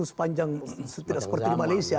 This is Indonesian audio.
sepanjang tidak seperti di malaysia